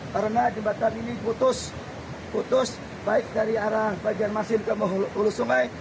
karena jembatan ini putus putus baik dari arah banjarmasin ke hulu sungai